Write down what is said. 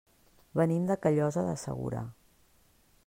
Venim de Callosa de Segura.